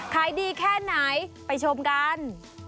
ขายดีแค่ไหนไปชมกัน